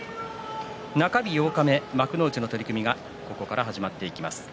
中日八日目、幕内の取組がここから始まっていきます。